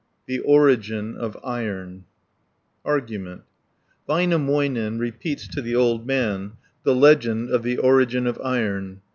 THE ORIGIN OF IRON Argument Väinämöinen repeats to the old man the legend of the origin of iron (1 266).